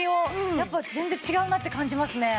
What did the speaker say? やっぱ全然違うなって感じますね。